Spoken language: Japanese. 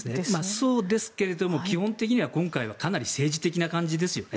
そうですけど基本的には今回はかなり政治的な感じですよね。